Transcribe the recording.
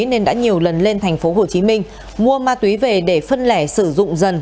nên đã nhiều lần lên tp hcm mua ma túy về để phân lẻ sử dụng dần